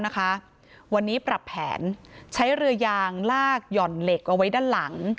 วันนี้ปรับแผนใช้เรือยางลากหย่อนเหล็กเอาไว้ด้านหลัง